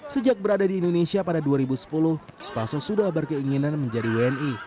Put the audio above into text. sejak berada di indonesia pada dua ribu sepuluh spaso sudah berkeinginan menjadi wni